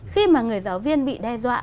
khi mà người giáo viên bị đe dọa